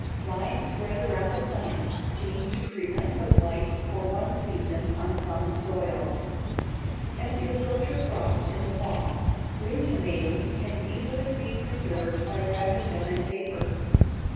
Lime spread around the plants seems to prevent the blight for one season on some soils. At the approach of frost in the fall, green tomatoes can easily be preserved by wrapping them in paper.